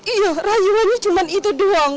iya razianya cuma itu doang